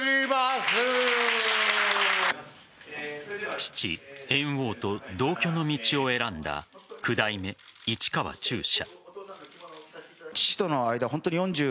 父・猿翁と同居の道を選んだ九代目市川中車。